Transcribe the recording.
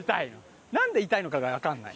なんで痛いのかがわかんない。